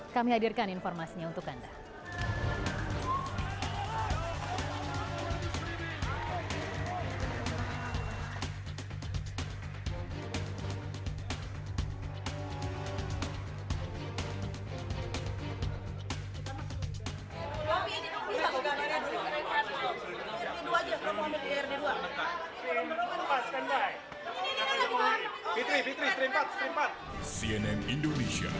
tetapi untuk cnn indonesia